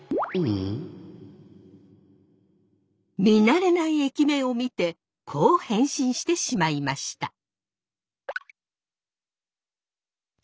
見慣れない駅名を見てこう返信してしまいました。